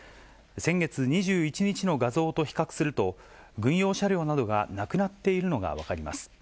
先月２１日の画像と比較すると、軍用車両などがなくなっているのが分かります。